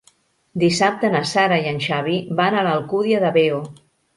Dissabte na Sara i en Xavi van a l'Alcúdia de Veo.